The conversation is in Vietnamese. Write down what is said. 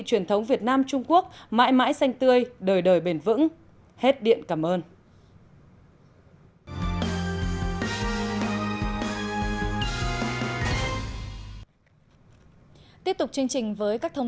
truyền thống việt nam trung quốc mãi mãi xanh tươi đời đời bền vững hết điện cảm ơn